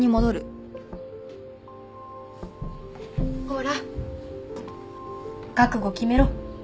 ほら覚悟決めろ。